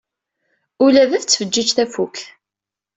Ula da tettfeǧǧiǧ tafukt.